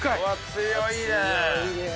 強いね。